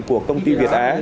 của công ty việt á